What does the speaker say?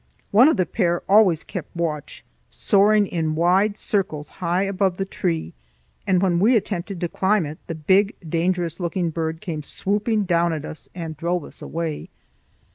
One of the pair always kept watch, soaring in wide circles high above the tree, and when we attempted to climb it, the big dangerous looking bird came swooping down at us and drove us away.